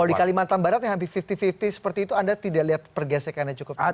kalau di kalimantan barat yang hampir lima puluh lima puluh seperti itu anda tidak lihat pergesekannya cukup